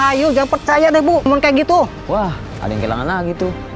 ayo jangan percaya deh bu ke gitu wah ada yang kehilangan lagi tuh